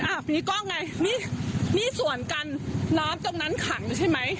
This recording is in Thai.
ผีกล้องไงนี่นี่สวนกันน้ำตรงนั้นขังใช่ไหม